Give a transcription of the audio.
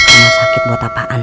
kalau sakit buat apaan